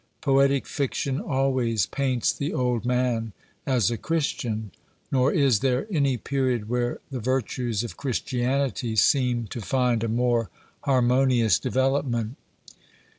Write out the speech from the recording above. Poetic fiction always paints the old man as a Christian; nor is there any period where the virtues of Christianity seem to find a more harmonious development.